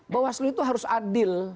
bawaslu itu harus adil